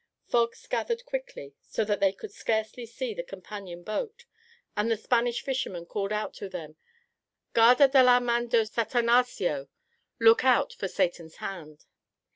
Fogs gathered quickly, so that they could scarcely see the companion boat, and the Spanish fishermen called out to them, "Garda da la Man do Satanaxio!" ("Look out for Satan's hand!")